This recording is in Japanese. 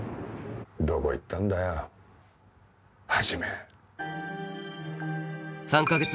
どこ行ったんだよ始。